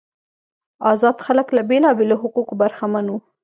آزاد خلک له بیلابیلو حقوقو برخمن وو.